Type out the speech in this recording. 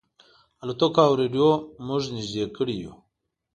الوتکو او رېډیو موږ نيژدې کړي یو.